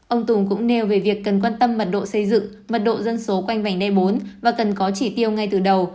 ông tùng cũng nêu về việc cần quan tâm mật độ xây dựng mật độ dân số quanh vành đe bốn và cần có chỉ tiêu ngay từ đầu